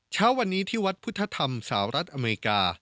เช้าวันนี้ที่วัดพุทธธรรมสหรัฐอเมริกา